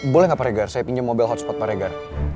boleh gak pak regar saya pinjam mobil hotspot pak regar